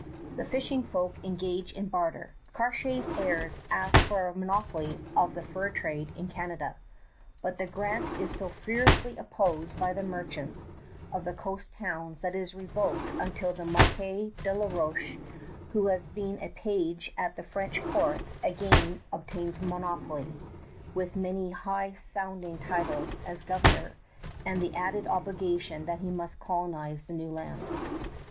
The fishing folk engage in barter. Cartier's heirs ask for a monopoly of the fur trade in Canada, but the grant is so furiously opposed by the merchants of the coast towns that it is revoked until the Marquis de la Roche, who had been a page at the French court, again obtains monopoly, with many high sounding titles as Governor, and the added obligation that he must colonize the new land.